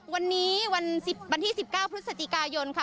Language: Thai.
วันนี้วันที่๑๙พฤศจิกายนค่ะ